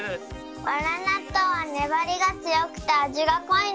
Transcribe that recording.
わらなっとうはねばりがつよくてあじがこいの。